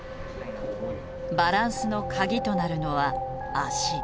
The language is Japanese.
バランスの鍵となるのは足。